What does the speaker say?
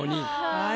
はい。